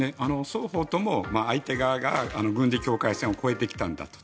双方とも相手側が軍事境界線を越えてきたんだと。